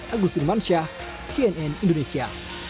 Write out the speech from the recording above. agustin mansyah cnn indonesia